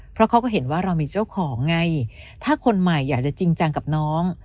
เพราะเขาก็เห็นว่าเรามีเจ้าของไงถ้าคนใหม่อยากจะจริงจังกับน้อง